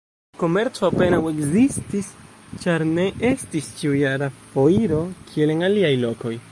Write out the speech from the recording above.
Komerco apenaŭ ekzistis, ĉar ne estis ĉiujara foiro, kiel en aliaj lokoj.